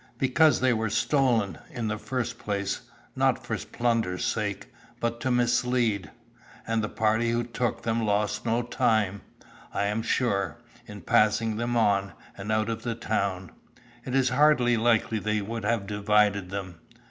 "Because they were stolen, in the first place, not for plunder's sake, but to mislead; and the party who took them lost no time, I am sure, in passing them on, and out of the town. It is hardly likely they would have divided them."